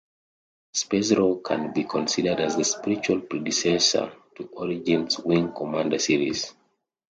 Space Rogue can be considered as the spiritual predecessor to Origin's Wing Commander series.